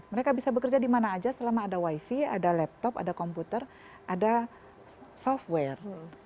mereka bisa bekerja di mana aja selama ada wifi ada laptop ada komputer ada software